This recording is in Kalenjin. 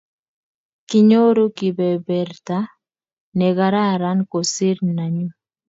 Kenyoru kebeberta nekararan kosir nanyu